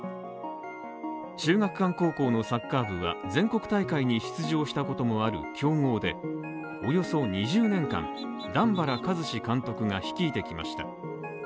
秀岳館高校のサッカー部は全国大会に出場したこともある強豪で、およそ２０年間、段原一詞監督が率いてきました。